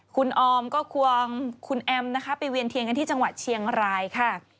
คุณออมก็ควงคุณแอมนะคะไปเวียนเทียนกันที่จังหวัดเชียงรายค่ะ